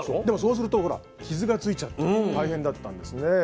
でもそうするとほら傷がついちゃって大変だったんですね。